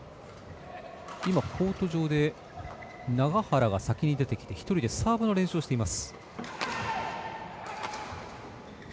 コート上で永原が先に出てきて１人でサーブの練習をしています。